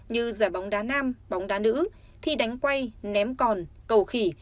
như giải bóng đá nam bóng đá nữ thi đánh quay ném còn cầu khỉ